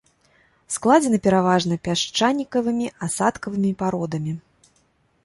Складзена пераважна пясчанікавымі асадкавымі пародамі.